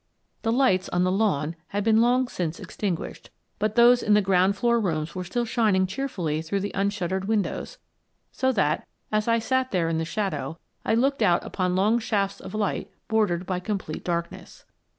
The lights on the lawn had been long since ex tinguished, but those in the ground floor rooms were still shining cheerfully through the unshut tered windows, so that, as I sat there in the shadow, I looked out upon long shafts of light bordered by complete darkness.